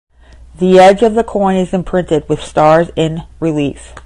The edge of the coin is imprinted with stars in relief.